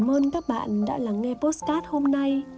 cảm ơn các bạn đã lắng nghe postat hôm nay